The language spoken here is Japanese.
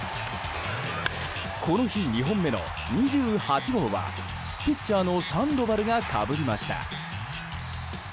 この日、２本目の２８号はピッチャーのサンドバルがかぶりました。